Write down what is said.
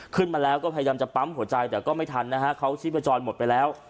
ขึ้นมาแล้วก็พยายามจะปั๊มหัวใจแต่ก็ไม่ทันนะฮะเขาชีพจรหมดไปแล้ว